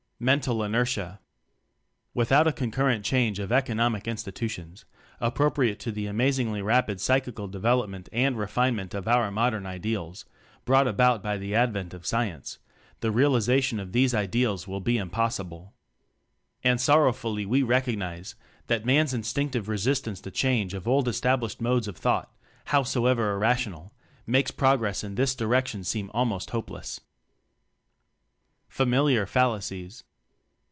Mental Inertia. Without a concurrent change of economic institutions appropriate to the amazingly rapid psychical devel opment and refinement of our modern ideals brought about by the advent of science the realization of these ideals will be impossible. And sorrow fully we recognize that man's instinc tive resistance to change of old estab lished modes of thought howsoever irrational makes progress in this di K ection seem almost hopeless. Familiar Fallacies.